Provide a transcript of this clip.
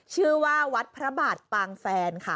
ชื่อว่าวัดพระบาทปางแฟนค่ะ